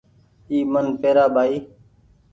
اي من پيرآ ٻآئي